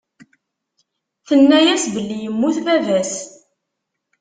Tenna-yas belli yemmut baba-s.